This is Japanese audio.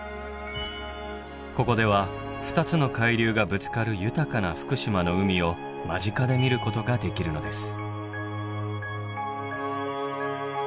ここでは２つの海流がぶつかる豊かな福島の海を間近で見ることができるのです。